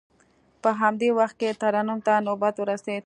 په همدې وخت کې ترنم ته نوبت ورسید.